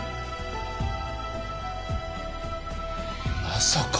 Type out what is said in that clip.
まさか。